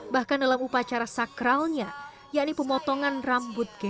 bahkan dalam upacara sakralnya yakni pemotongan rambut g